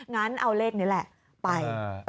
งั้นเอาเลขนี้แหละไป